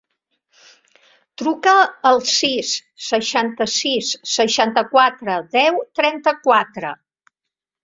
Truca al sis, seixanta-sis, seixanta-quatre, deu, trenta-quatre.